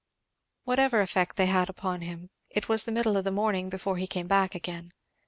Whatever effect they had upon him, it was the middle of the morning before he came back again.